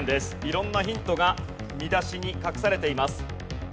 色んなヒントが見出しに隠されています。